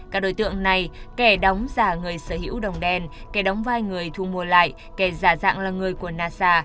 các đối tượng này kẻ đóng giả người sở hữu đồng đèn kẻ đóng vai người thu mua lại kẻ giả dạng là người của nasa